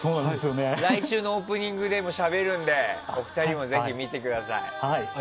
来週のオープニングでもしゃべるのでお二人もぜひ見てください。